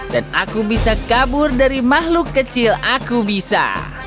dan aku bisa kabur dari makhluk kecil aku bisa